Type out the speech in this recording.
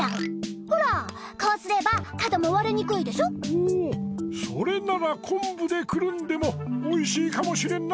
おぉそれならこんぶでくるんでもおいしいかもしれんな！